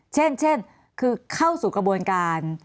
เช่นคือเข้าสู่กระบวนการ